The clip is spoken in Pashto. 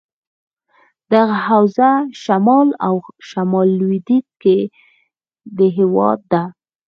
دغه حوزه شمال او شمال لودیځ کې دهیواد ده.